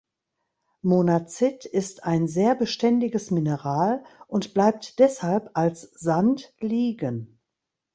Monazit ist ein sehr beständiges Mineral und bleibt deshalb als Sand liegen.